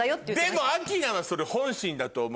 でも明菜はそれ本心だと思うよ。